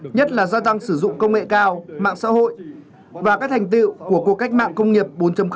nhất là gia tăng sử dụng công nghệ cao mạng xã hội và các thành tiệu của cuộc cách mạng công nghiệp bốn